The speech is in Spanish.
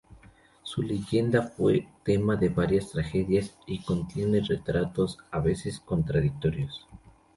Su leyenda fue tema de varias tragedias y contiene relatos a veces contradictorios.